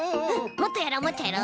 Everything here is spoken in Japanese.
もっとやろうもっとやろう。